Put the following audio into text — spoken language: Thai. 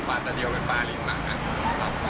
ปลาตาเดียวเป็นปลาลิ้นหมาครับ